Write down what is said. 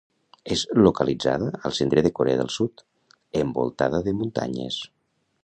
Es localitza al centre de Corea del Sud, envoltada de muntanyes.